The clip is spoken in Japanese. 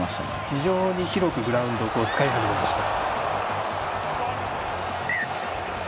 非常に広くグラウンドを使い始めました。